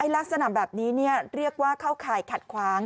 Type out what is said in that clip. ลักษณะแบบนี้เรียกว่าเข้าข่ายขัดขวาง